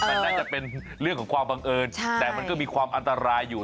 แต่น่าจะเป็นเรื่องของความบังเอิญแต่มันก็มีความอันตรายอยู่